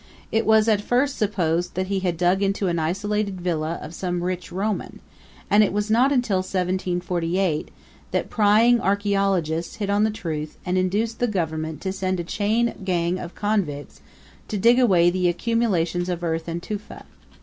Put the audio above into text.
It was at first supposed that he had dug into an isolated villa of some rich Roman; and it was not until 1748 that prying archaeologists hit on the truth and induced the Government to send a chain gang of convicts to dig away the accumulations of earth and tufa.